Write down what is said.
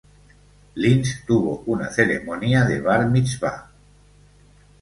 Linz tuvo una ceremonia de Bar Mitzvah.